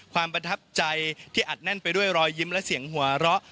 ประทับใจที่อัดแน่นไปด้วยรอยยิ้มและเสียงหัวเราะ